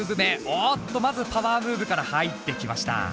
おっとまずパワームーブから入ってきました。